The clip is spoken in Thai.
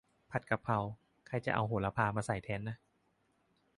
ผัดกะเพรา ใครเอาโหระพามาใส่แทนนะ